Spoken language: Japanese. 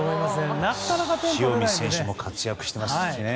塩見選手も活躍していますしね。